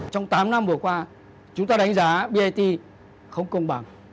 trong tám năm vừa qua chúng ta đánh giá bit không công bằng